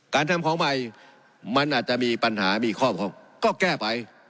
การทำของใหม่มันอาจจะมีปัญหามีข้อก็แก้ไป